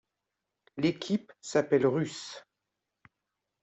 L'équipe s'appelle Russ.